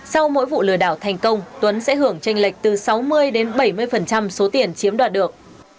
sau mỗi vụ lừa đảo thành công tuấn sẽ hưởng tranh lệch từ sáu mươi đến bảy mươi số tiền chiếm đoạt được